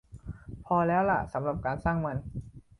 พอแล้วล่ะสำหรับการสร้างมัน